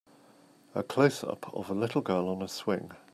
A closeup of a little girl on a swing.